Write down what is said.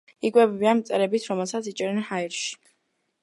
იკვებებიან მწერებით, რომელსაც იჭერენ ჰაერში.